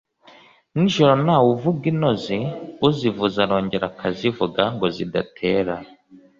N’ijoro ntawe uvuga intozi, uzivuze arongera akazivuga ngo zidatera